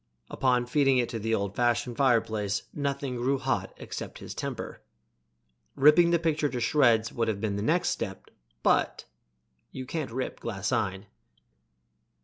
Upon feeding it to the old fashioned fireplace nothing grew hot except his temper. Ripping the picture to shreds would have been the next step, but you can't rip glaseine.